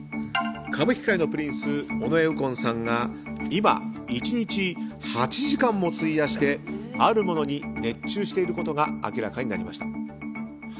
歌舞伎界のプリンス尾上右近さんが今、１日８時間も費やしてあるものに熱中していることが明らかになりました。